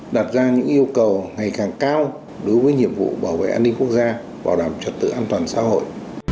đặt ra những yêu cầu ngày càng cao đối với nhiệm vụ bảo vệ an ninh quốc gia bảo đảm trật tự an toàn xã hội